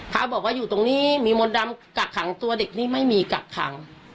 พระบอกว่าอยู่ตรงนี้มีมนต์ดำกักขังตัวเด็กนี้ไม่มีกักขัง